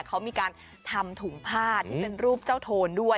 เขามีการทำถุงผ้าที่เป็นรูปเจ้าโทนด้วย